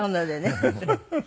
フフフフ。